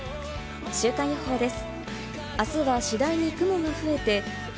週間予報です。